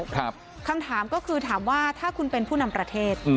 คำถามก็คือถามว่าถ้าคุณเป็นผู้นำประเทศ